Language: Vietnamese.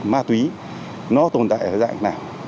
ma túy nó tồn tại ở dạng nào